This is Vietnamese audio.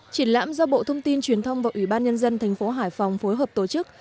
triển lãm do bộ thông tin truyền thông và ủy ban nhân dân thành phố hải phòng phối hợp tổ chức